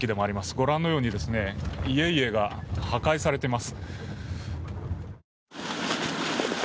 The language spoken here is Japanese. ご覧のように家々が破壊されています。